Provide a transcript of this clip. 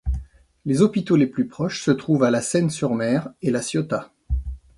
Les hôpitaux les plus proches se trouvent à La Seyne-sur-Mer et La Ciotat.